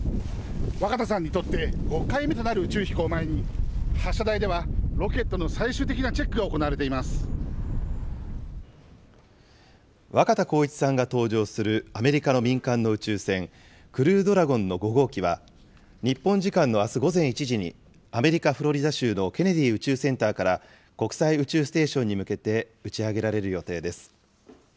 若田さんにとって５回目となる宇宙飛行を前に、発射台ではロケットの最終的なチェックが行われて若田光一さんが搭乗するアメリカの民間の宇宙船、クルードラゴンの５号機は、日本時間のあす午前１時に、アメリカ・フロリダ州のケネディ宇宙センターから国際宇宙ステーションに向けて打ち上げられる予定です。